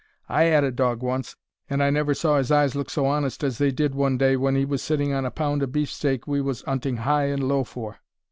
I 'ad a dog once, and I never saw his eyes look so honest as they did one day when 'e was sitting on a pound o' beefsteak we was 'unting high and low for.